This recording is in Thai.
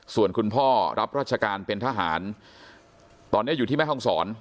ส่วนคุณพ่อรับราชการเป็นทหารตอนนี้อยู่ที่แม่ห้องศร